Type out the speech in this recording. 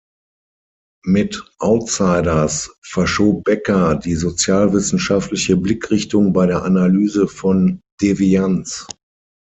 Mit "Outsiders" verschob Becker die sozialwissenschaftliche Blickrichtung bei der Analyse von Devianz.